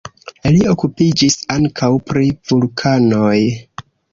Li okupiĝis ankaŭ pri vulkanoj.